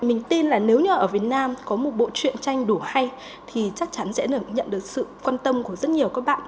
mình tin là nếu như ở việt nam có một bộ truyện tranh đủ hay thì chắc chắn sẽ nhận được sự quan tâm của rất nhiều các bạn